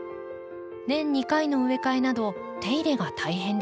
年２回の植え替えなど手入れが大変でした。